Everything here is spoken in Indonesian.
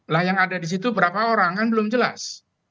lah yang ada di situ berapa orang kan belum jelas